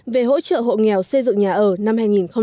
về hỗ trợ hộ nghèo xây dựng nhà ở năm hai nghìn một mươi bảy